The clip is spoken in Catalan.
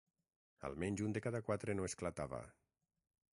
Almenys un de cada quatre no esclatava